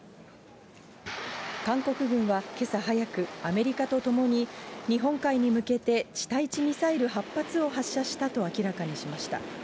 韓国軍はけさ早く、アメリカと共に日本海に向けて地対地ミサイル８発を発射したと明らかにしました。